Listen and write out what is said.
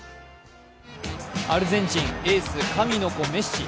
アルゼンチン、エース神の子・メッシ。